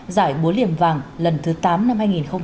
giải búa liềm vàng lần thứ tám năm hai nghìn hai mươi